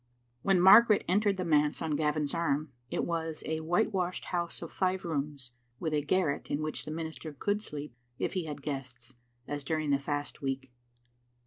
When Margaret entered the manse on Gavin's arm, it was a whitewashed house of five rooms, with a garret in which the minister could sleep if he had guests, as during the Fast week.